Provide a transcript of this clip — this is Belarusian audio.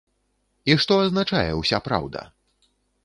І што азначае ўся праўда?